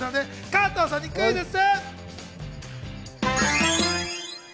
加藤さんにクイズッス！